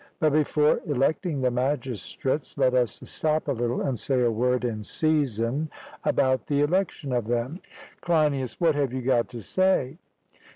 But before electing the magistrates let us stop a little and say a word in season about the election of them. CLEINIAS: What have you got to say?